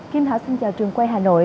kim thảo xin chào trường quay hà nội